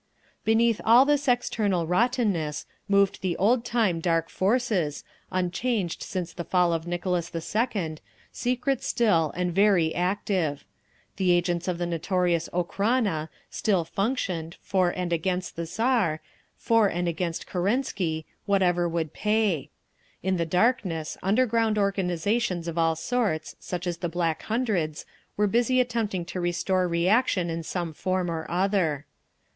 Beneath all this external rottenness moved the old time Dark Forces, unchanged since the fall of Nicholas the Second, secret still and very active. The agents of the notorious Okhrana still functioned, for and against the Tsar, for and against Kerensky—whoever would pay…. In the darkness, underground organisations of all sorts, such as the Black Hundreds, were busy attempting to restore reaction in some form or other.